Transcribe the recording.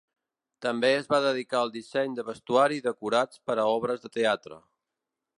També es va dedicar al disseny de vestuari i decorats per a obres de teatre.